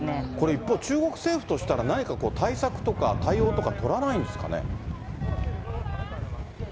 一方、中国政府としたら、何か対策とか、対応とか取らないんですかね。